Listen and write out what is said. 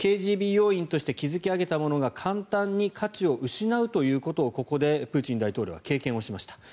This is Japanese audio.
ＫＧＢ要員として築き上げたものが簡単に価値を失うということをここでプーチン大統領は経験をしました。